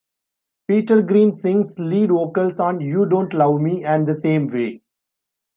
Peter Green sings lead vocals on "You Don't Love Me" and "The Same Way".